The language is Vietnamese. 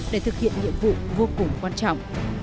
để thực hiện nhiệm vụ vô cùng quan trọng